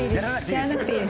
やらなくていい」。